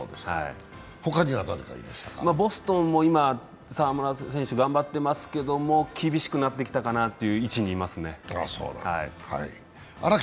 他に、ボストンも今、澤村選手頑張ってますけど厳しくなってきたかなという位置にいますね。